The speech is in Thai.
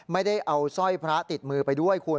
ไม่ได้เอาสร้อยพระติดมือไปด้วยคุณ